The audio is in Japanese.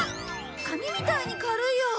紙みたいに軽いよ。